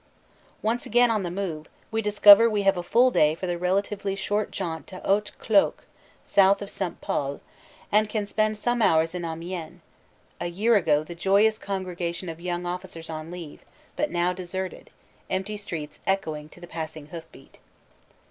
Once again on the move, we discover we have a full day for the relatively short jaunt to Hautecloque, south of St. Pol, and can spend some hours in Amiens, a year ago the joyous con gregation of young officers on leave, but now deserted, empty streets echoing to the passing hoof beat.